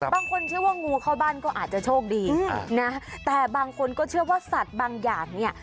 บางคนเชื่อว่างูเข้าบ้านก็อาจจะโชคดีนะแต่บางคนก็เชื่อว่าสัตว์บางอย่างเนี่ย